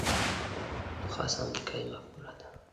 خاصه امریکايي مفکوره ده.